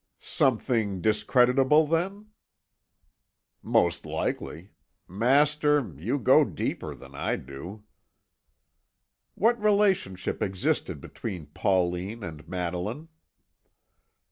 "Something discreditable, then?" "Most likely. Master, you go deeper than I do." "What relationship existed between Pauline and Madeline?"